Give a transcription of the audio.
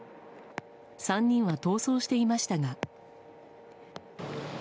３人は逃走していましたが。